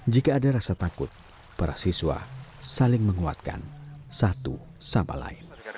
jika ada rasa takut para siswa saling menguatkan satu sama lain